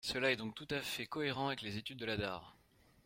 Cela est donc tout à fait cohérent avec les études de la DARES.